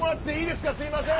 すいません。